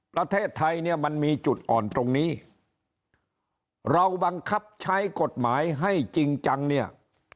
ประเทศไทยเนี่ยมันมีจุดอ่อนตรงนี้เราบังคับใช้กฎหมายให้จริงจังเนี่ย